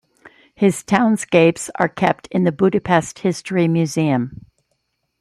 His townscapes are kept in the Budapest History Museum.